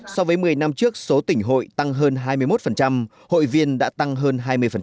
so với một mươi năm trước số tỉnh hội tăng hơn hai mươi một hội viên đã tăng hơn hai mươi